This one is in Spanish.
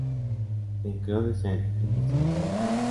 En Clone Scene Investigation, Mr.